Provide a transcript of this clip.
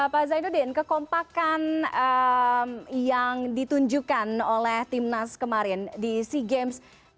pak zainuddin kekompakan yang ditunjukkan oleh timnas kemarin di sea games